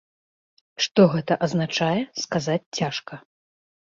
Што гэта азначае, сказаць цяжка.